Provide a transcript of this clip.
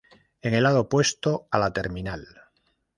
En el lado opuesto a la terminal.